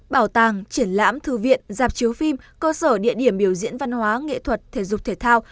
bảo tàng triển lãm thư viện dạp chiếu phim cơ sở địa điểm biểu diễn văn hóa nghệ thuật thể dục thể thao